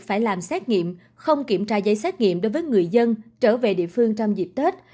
phải làm xét nghiệm không kiểm tra giấy xét nghiệm đối với người dân trở về địa phương trong dịp tết